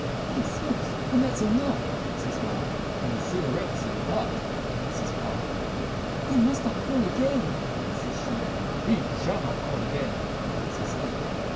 "He smokes and that's enough," says Ma "And cigarettes, at that!" says Pa. "He must not call again," says she "He shall not call again!" says he.